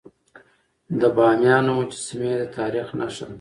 د بامیانو مجسمي د تاریخ نښه ده.